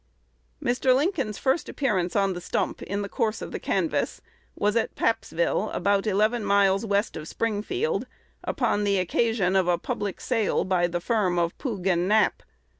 Mr. Lincoln's first appearance on the stump, in the course of the canvass, was at Pappsville, about eleven miles west of Springfield, upon the occasion of a public sale by the firm of Poog & Knap.